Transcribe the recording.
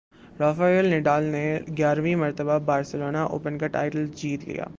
Rafael Nadal نے گیارہویں مرتبہ بارسلونا اوپن کا ٹائٹل جیت لیا